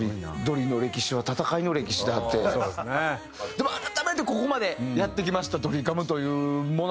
でも改めてここまでやってきましたドリカムというもの。